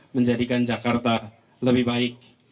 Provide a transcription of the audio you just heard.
menjadikan jakarta lebih baik